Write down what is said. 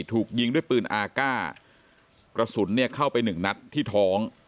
ถูกยิงด้วยปืนอาก้ากระสุนเนี่ยเข้าไปหนึ่งนัดที่ท้อง